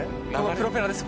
プロペラです